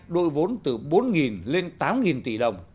đội vốn từ bốn lên tám tỷ đồng